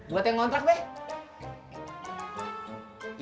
buat yang ngontrak bek